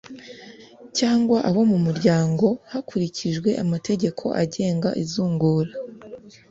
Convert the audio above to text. cyangwa abo mu muryango hakurikijwe amategeko agenga izungura